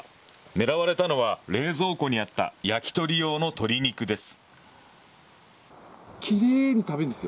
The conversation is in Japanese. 狙われたのは、冷蔵庫にあった焼き鳥用の鶏肉です。